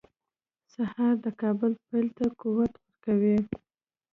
سهار د کار پیل ته قوت ورکوي.